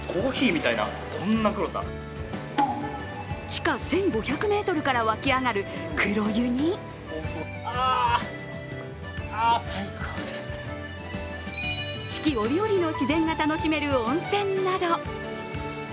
地下１５００ｍから湧き上がる黒湯に四季折々の自然が楽しめる温泉など。